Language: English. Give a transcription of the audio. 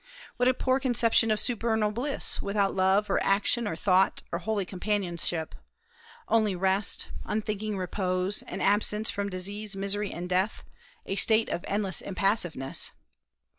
What a poor conception of supernal bliss, without love or action or thought or holy companionship, only rest, unthinking repose, and absence from disease, misery, and death, a state of endless impassiveness!